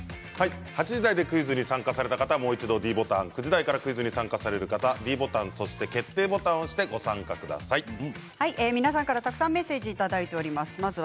８時台でクイズに参加された方はもう一度ｄボタン９時台から参加される方はｄボタン、そして決定ボタンを皆さんから、たくさんメッセージいただいております。